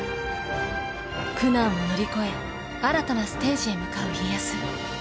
苦難を乗り越え新たなステージへ向かう家康。